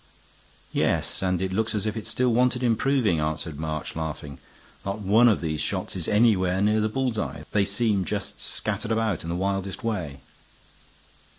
"Yes, and it looks as if it still wanted improving," answered March, laughing. "Not one of these shots is anywhere near the bull's eye; they seem just scattered about in the wildest way."